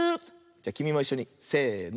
じゃきみもいっしょにせの。